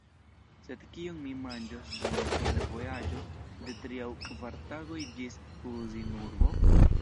Sed kion mi manĝos dum piedvojaĝo de tri aŭ kvar tagoj ĝis Uzinurbo?